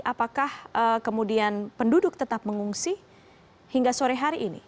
apakah kemudian penduduk tetap mengungsi hingga sore hari ini